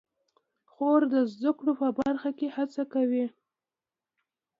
خور د زده کړو په برخه کې هڅه کوي.